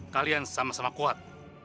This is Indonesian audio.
kalian sama sama kuat